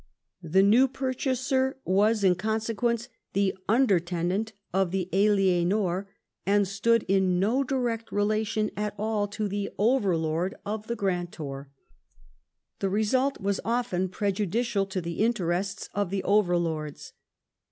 The new purchaser was in consequence the under tenant of the alienor, and stood in no direct relation at all to the overlord of the grantor. The result was often prejudi cial to the interests of the overlords.